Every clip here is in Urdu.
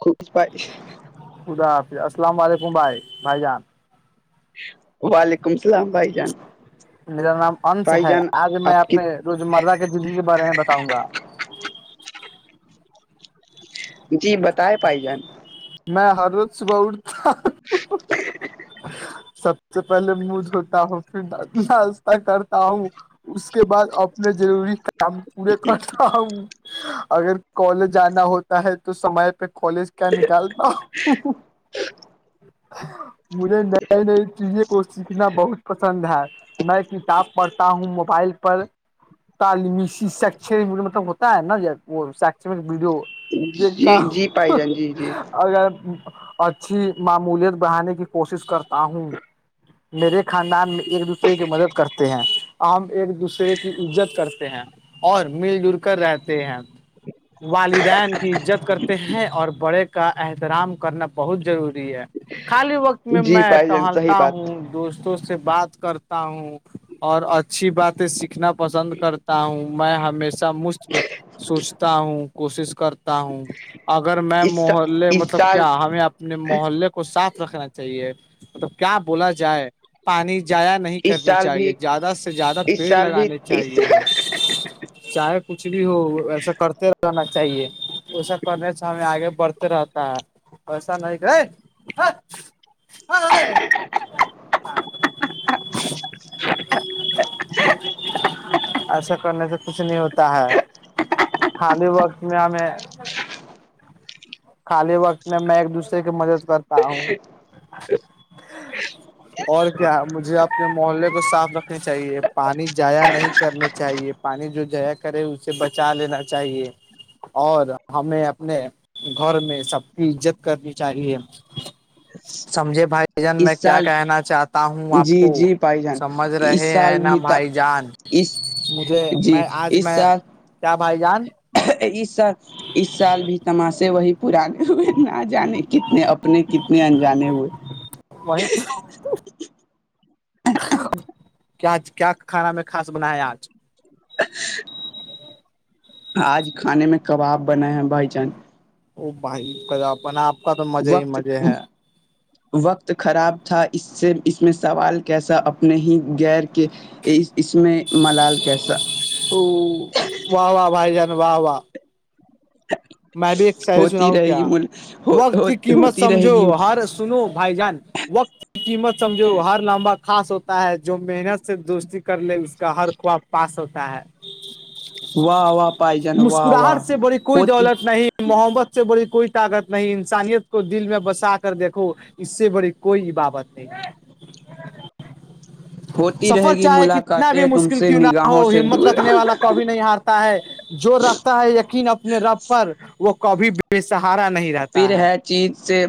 خوب پائے خدا حافظ السلام علیکم بھائی بھائی جان- وعلیکم السلام بھائی جان- میرا نام انس بھائی ہے جان آج میں آپ کی اپپنے روزمرہ کے زندگی کے بارے میں بتاؤں گا- جی بتائے پھائی جان میں ہررت سباؤتا- [inaudible] سب سے پہلے منہ دھوتا ہوں پھر ناشہ کرتا ہوں- اس کے بعد اپنے ضروری- پورے کرتا ہوں اگر کالج جانا ہوتا ہے تو سمے- پہ کالج کیا نکالتا ہوں- مجھے نئی- نئی چیزیں کو سیکھنا بہت پسند ہے- میں کتاب پڑھتا ہوں موبائل پر- تعلیمی شککیڈیو مطلب ہوتا ہے نا وہ شکشک ویڈیو- دتا جی جی پائی جان جی جی اگر اچھی معمولیت بڑھانے کی کوشش کرتا ہوں میرے خاندان میں- ایک دوسرے کی مدد کرتے ہیں- عام ایک دوسرے کی عزت کرتے ہیں اور مل جل کر رہتے ہیں والدین عزت کرتے ہیں اور بڑے کا احترام کرنا بہت ضروری ہے خالی وقت- میں جی -میں پائی جان صحیح ٹہلتا بات ہوں- دوستوں سے بات کرتا ہوں اور اچھی باتیں سیکھناڑ- پسند کرتا ہوں میں ہمیشہ مشف سوچتا ہوں کوشش کرتا- ہوں اگر میں اس محلے اس مطلب سال کیا ہمیں اپنے محلے کو صاف رکھنا چ- چاہیے مطلب کیا بولا جائے- پانی جایا نہیں اس کرنی سال چاہیے بھی زیادہ سے زیادہ اس پیڑ سال بھی لگانے اس چاہیے- چاہے کچھ بھی ہو ویسا کرتے رہناا چاہیے ایسا کرنے سے ہمیں آگے بڑھتے رہتا ہے ایسا نہیں کرے ہاں ا ایسا کرنے سے کچھ نہیں ہوتا ہے ہاں ل ب ہمیں خالی وقت میں میں ایک دوسرے کی مدد کرتا تاا ہوں ا جچ [unintelligible] [unintelligible] اور کیا مجھے اپنے محلے کو صاف رکھنے چاہیے پانی جضایا نہیں کرنے چاہیے پانی جو جیا کرے اسے بچا لینا چاہیے اور ہمیں اپنے گھر میں سب کی عزت کرنی چاہیے سمجے بھائی بھائی جان اس میں کیا سال کہنا چاہتا ہوں آپ جی کو جی بھائی جان سمجھ اس رہے ہیں سال نہا بھی بھائی جان اس مجھے جی میں آج اس میں سال کیا بھائی جان ع سر اس سال بھی تماشے وہی پانے ہوئے نہ جانے کتنے اپنے کتنے انجانے ہوئے وہیں کیاج کیا کھانا میں کاس بنایا آج [inaudible] آج کھانے میں کباب بنے ہیں بھائی جان او بھائی کا اپنا آپ کا تو مزے ہی وقت مزے ہے وقت خراب تھا اس سے اس میں سوال کیسا اپنے ہی غیر کے اس میں ملال کیسا ا و واہ بھائی جان واہ واہ میں بھی ایک شاعری ہوتی سناؤ رہے گی کیا مل ہو وقت ہو کی قیمت ہوتی رہے سمجھو گی ہر سنو بھائی جان وقت کی قیمت سمجھو ہر لمبا خاص ہوتا ہے جو محنت سے دوستی کر لیں اس کا ہر خواب پاس ہوتا ہے واہ واہ پائی جان واہ واہ مسکراہٹ سے بڑی کوئی ہوتی دولت نہیں محبت سے بی کوئی طاقت نہیں انسانیت کو دل میں بسا کر دیکھو اس سے بڑی کوئی عبادت نہیں ہوتی رہے سفر گی چاہے کتنا بھی ملاقاتیں تم مشکل سے کیوں نہ نگاہوں ہو سے ہمت دور رکھنے والا کبھی نہیں ہارتا ہے جو رکھتا ہے یقین اپنے رب پر وہ کبھی بھی بے سہارا نہیں رہتا ہے چیز سے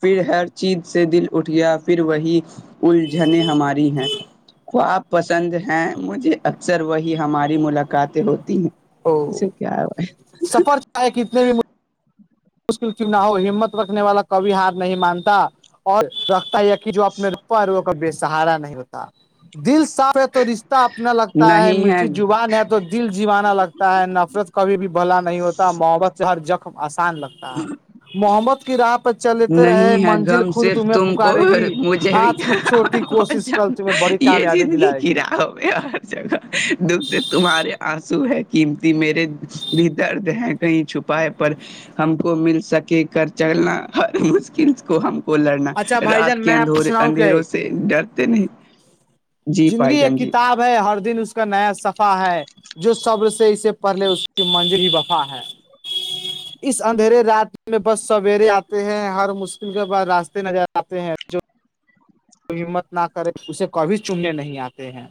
پھر ہر چیز سے دل اٹھ گیا پھر وہی الجھن ہماری ہیں خواب پسند ہیں مجھے اکثر وہی ہماری ملاقاتیں ہوتی ہیں یہ او سب کیا بھائی سفر کتنے بھی م مشکل کیو نا ہو ہمت رکھنے والا کبھی ہار نہیں مانتا اور رکھتا ہے یقین جو اپنے اور وہ کبھی بے سہارا نہیں ہوتا دل صاف ہے تو رشتے اپنا لگتا ہے میٹھی زبان ہے تو دل جیوانا لگتا ہے نفرت کبھی بھی بھلا نہیں ہوتا محبت سے ہر جخم آسان لگتا محبت کی راہ چلتے رہے نہیں ہے منزل غم خود صرف تمہیں تم کو پکارے اور گی مجھے بھی آج کی چھوٹی بہت کوشش کرل جان تمہیں بڑی یہ کامیابی زندگی دلائے کی گی راہ ہم اور جگہ دکھ سے تمہارے آنسو ہے قمتی میرے بھی درد ہے کہیں چھپائے پر ہم کو مل سکے کر چلنا ہر مشکل کو ہم کو لڑنا اچھا بھائی رات جان کے میں آپ کو اندے سناؤں کیا اندھیروں ایک سے ڈرتے نہیں جی زندگی بھائی ایک جان جی کتاب ہے ہر دن اس کا نیا صفح ہے جو صبر سے اسے پہلے اس کی منزل ہی وفا ہے اس اندھیرے رات میں بس سویرے آتے ہیں ہر مشکل کے بعد راستے نظر آتے ہیں جو ہمت نہ کرے اسے کبھی چومنے نہیں آتے ہیں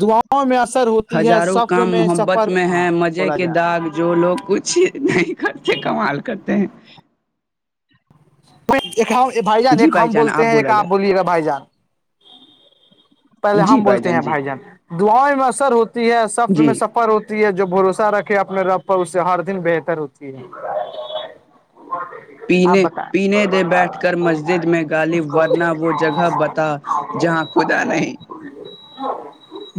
دعاؤ میں اثر ہو ہزاروں کام محبت میں ہیں مزے بولا کے جائے داغ جو لوگ کچھ نہیں کرتے کمال کرتے ہیں بھائی جان جی ایک بھائی ہم بولتے ہیں ایک بولا آپ جائے بولیے گا بھائی جان پہلے ہم بولتے ہیں بھائی جان دعاؤیں میں اثر ہوتی ہے سفر میں جی سب ہوتی ہے جو بھروسہ رکھے اپنے رب پر اس سے ہر دن بہتر ہوتی ہے [inaudible] [inaudible] [inaudible] پینے پینے دے بیٹھ کر مسجد میں غالب ورنہ وہ جگہ بتا جہاں خدا نہیں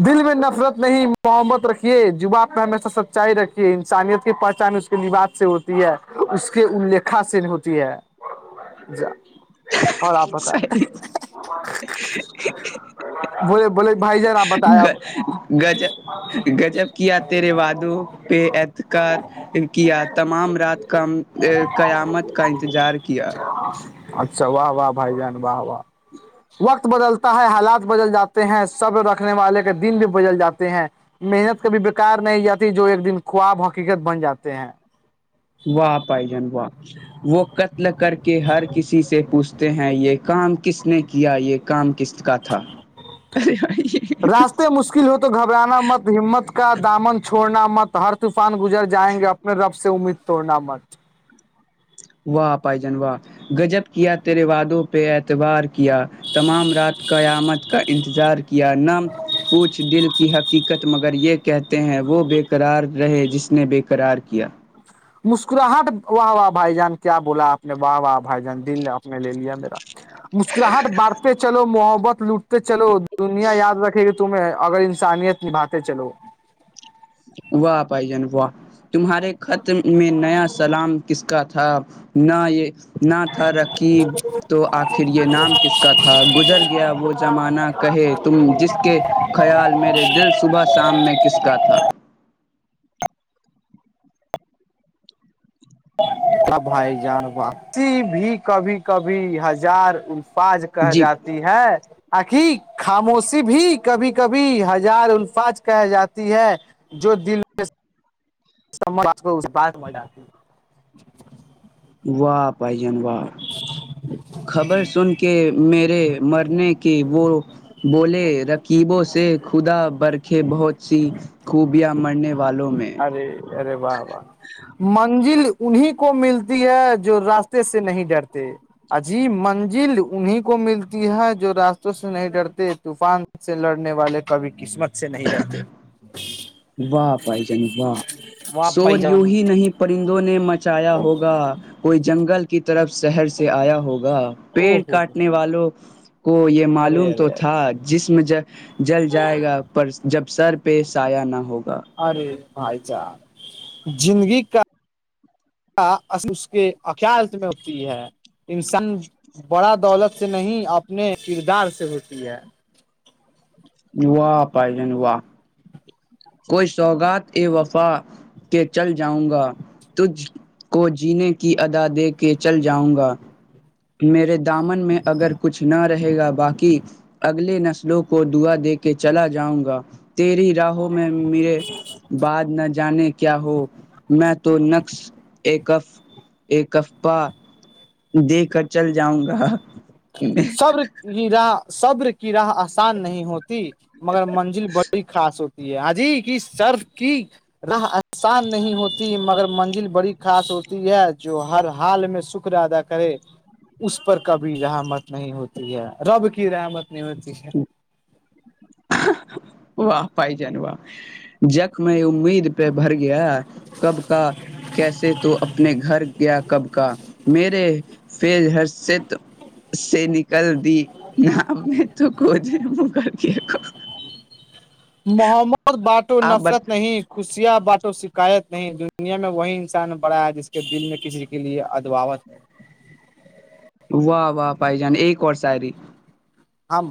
دل میں نفرت نہیں محبت رکھیے زبان پر ہمیشہ سچائی رکھیے انسانیت کی پہچان اس لیوات سے ہوتی ہے اس کے الیکھا سے ہوتی ہے [unintelligible] اور آپ بتائیں بولے بولے بھائی جان آپ بتائے آپ [unintelligible] گجب کیا تیرے وعادوں پہ اعتکار کیا تمام رات کا قیامت کا انتظار کیا اچھا واہ واہ بھائی جان واہ واہ وقت بدلتا ہے حالات بدل جاتے ہیں سب رکھنے والے کے دن بھی بدل جاتے ہیں محنت کبھی بکار نہیں جاتی جو ایک دن خواب حقیقت بن جاتے ہیں واہ آائی جان وااہپ وہ قتل کر کے ہر کسی سے پوچھتے ہیں یہ کام کس نے کیا یہ کام قسط کا تھا راستے مشکل ہو تو گھبرانا مت ہمت کا دامن چھوڑنا مت ہر طوفان گزر جائیں گے اپ میں رب سے امید توڑنا مت واہ پائی جان گجب کیا تیرے وادوں پہ اعتبار کے کیا تمام رات قیامت کا انتظار کیا ن پوچھ دل کی حق حقیقت مگر یہ کہتے ہیں وہ بےقرار رہے جس نے بےقرار کیا مسکراہٹ واہ واہ بھائی جان کیا بولا آپ نے واہ واہ بھائی جان دل آپ نے لے لیا میرا مسکراہٹ بانٹتے چلو محبت لوٹتے چلو دنیا یاد رکھے گی تو تمہیں اگر انسانیت نباتے چلو واہ پھائی جان واہ تمہارے خط میں نیا سلام کس کا تھا نہ یہ نہ تھا رکیب تو آخر یہ نام کس کا تھا گزر گیا وہ زمانہ کہے تم جس کے خیال میرے دل صبح شام میں کس کا تھا واہ بھائی جان واہ بقتی بھی کبھی کبھی ہزار پاج کہ جی جاتی ہے آکی خاموشی بھی کبھی کبھی ہزار الفاج کہ جاتی ہے جو دل آ کو بات متی واہ پائ جان واہ خبر سن کے میرے مرنے کی وہ بولے رکیبوں سے خدا برکھے بہت سی خوبیاں مرنے والوں میں ارے ارے و واہ منزل انیں کو ملتی ہے جو راستے سے نہیں ڈرتے عجیب منزل انہیں کو ملتی ہے جو راستوں سے نہیں ڈرتے طوفان سے لڑنے والے کبھی قسمت سے نہیں ڈتے و پائ جن و وہاں سور پائی و جان ہی نہیں پرندوں نے مچایا ہوگا کوئی جنگل کی طرف شہر سے آیا ہوگا او پیڑ ہو ہو کاٹنے والوں کو یہ ارے معلوم تو ارے ارے تھا جسم ج جل جائے گا پر جب سر پہ سایہ نہ ہوگا ارے بھائی چا زندگی کا اس کے اخیالت میں ہوتی ہے انسان بڑا دولت سے نہیں اپنے کردار سے ہوتی ہے و پائی جن و کوئی سوگات ا وفا کہ چل جاؤں گا تجھ کو جینے کی ادا دے کے چل جاؤں گا میرے دامن میں اگر کچھ نہ رہے گا باقی اگر لے نسلوں کو دعا دے کے چلا جاؤں گا تیری چاہو میں میرے بعاتد نہ جان کے کیا ہو میں تو نقس ایکف ایکفپا دیکھ کر چل جاؤں گا صبر کی راہ صبر کی راہ آسان نہیں ہوتی مگر منزل بڑی خاص ہوتی ہے حاجی کی سر کی راہ احسان نہیں ہوتی مگر منزل بڑی خاص ہوتی ہے جو ہر حال میں شکر ادا کر کرے اس پر کبھی رحمت نہیں ہوتی ہے رب کی رحمت نہیں ہوتی ہے واہ پائ جان واہ جک میں امید پہ بھر گیا کب کا کیسے تو اپنے گھر گیا کب کا میرے ف ہرشت سے نکل دی ن میں تو ک مک د محمد باٹو آپ نفرت بت نہیں خوشیاں باٹ و شکایت نہیں دنیا میں وہی انسان بڑا ہے جس کے دل میں کسی کے لیے ادواوت ہے واہ واہ پائ جان ایک وورس ہےری ہمم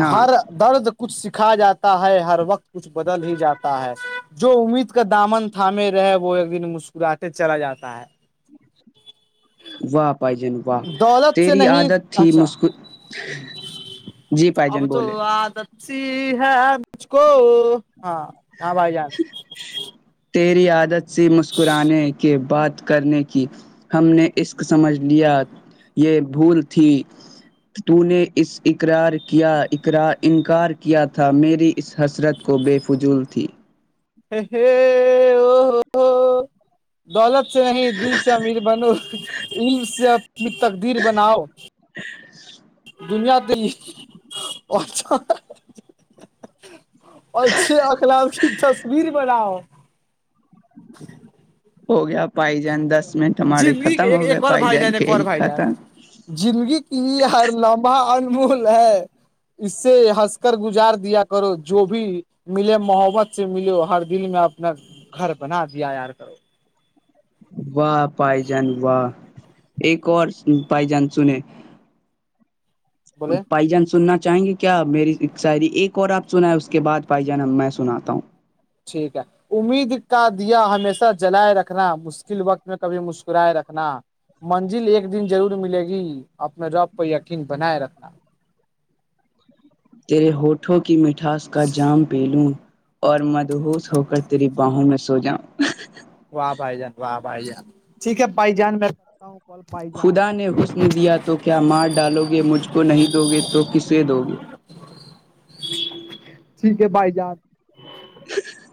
ہاں ہر درد کچھ سکھا جاتا ہے ہر وقت کچھ بدل ہی جاتا ہے جو امید کا دامن تھامے رہے وہ ایک دن مسکراتٹے چلا جاتا ہے واہ پائ جن واہ ہے دولت سے تیری نہیں عادت تھی اچھا مسک اب تو آدتی ہے مھ کو ہاں ہاں بھائی جان تیری عادت سی مسکرانے کے بعد کرنے کی ہم نے عشق سمجھ لیا یہ بھول تھی تو نے اس اقرار کیا انکار کیا تھا میری اس حسرت کو بے فجول تھی ووو [unintelligible] [inaudible] دولت سے نہیں دل سے امیر بنو علم سے اپنی تقدیر بناؤ [unintelligible] [inaudible] ں دنیا ت ہیا اچھے اخلاق کی تصویر بناؤ ہو گیا پائی جان دس منٹ ہمارے زندگی کے ختم ایک ہو گئے ایک اور پائی بھائی جان ایک اور کھیل بھائی ختم جان زندگی کی یہ ہر لمبا انمول ہے اس سے ہنس کر گزار دیا کرو جو بھی ملے محبت سے ملے ہر دل میں اپنا گھر بنا دیا یار کرو واہ پائی جان واہ ایک پائی جان سنے بولے پائی جان سنا چاہیں گے کیا میری شاعری ایک اور آپ سنا ہے اس کے بعد بھائی جانہ میں سناتا ہوں ٹھیک ہے امید کا دیا ہمیشہ جلائے رکھنا مشکل وقت میں کبھی مسکرائے رکھنا منزل ایک دن ضرور ملے گی اپنے رب پہ یقین بنائے رکھنا تیرے ہوٹھوں کی مٹھاس کا جام پی لوں اور مدبوس ہو کر تیری باہوں میں سو جاؤ واہ بھائی جان واہ بھائی جان ٹھیک ہے بھائی جان میں ہوں کال بھائی جان خدا نے حسن دیا تو کیا مار ڈالو گے مجھ کو نہیں دو گے تو کسے دو گے ٹھیک ہے بھائی جان ج